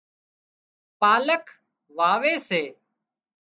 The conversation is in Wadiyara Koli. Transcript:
پالڪ واوي سي